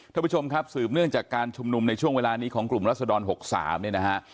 ท่านผู้ชมครับสืบเนื่องจากการชุมนุมในช่วงเวลานี้ของกลุ่มรัศดร๖๓เนี่ยนะฮะ